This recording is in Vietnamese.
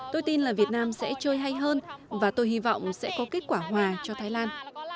tôi tin là việt nam sẽ chơi hay hơn và tôi hy vọng sẽ có kết quả hòa cho thái lan